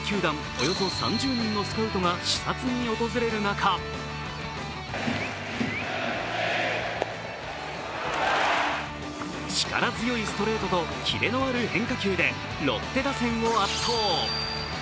およそ３０人のスカウトが視察に訪れる中力強いストレートとキレのある変化球でロッテ打線を圧倒。